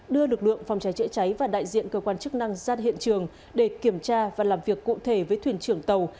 đưa lực lượng phòng cháy chữa cháy và đại diện cơ quan chức năng ra hiện trường để kiểm tra và làm việc cụ thể với thuyền trưởng tàu